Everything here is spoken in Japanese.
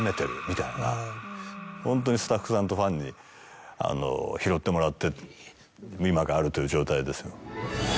ホントにスタッフさんとファンに拾ってもらって今があるという状態ですよ。